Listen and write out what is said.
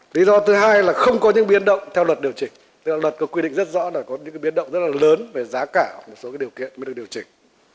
lý do thứ hai là không có những biến động theo luật điều chỉnh luật có quy định rất rõ là có những biến động rất là lớn về giá cả một số điều kiện mới được điều chỉnh